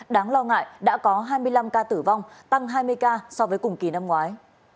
đáng lo ngại đã có hai mươi năm ca tử vong tăng hai mươi ca so với cùng kỳ năm ngoái